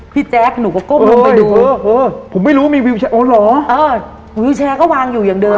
แจ๊คหนูก็ก้มลงไปดูเออเออผมไม่รู้มีวิวแชร์อ๋อเหรอเออวิวแชร์ก็วางอยู่อย่างเดิม